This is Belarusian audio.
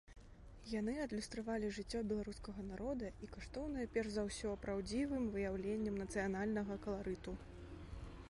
Яны адлюстравалі жыццё беларускага народа і каштоўныя перш за ўсё праўдзівым выяўленнем нацыянальнага каларыту.